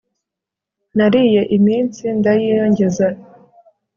nariye iminsi ndayiyongeza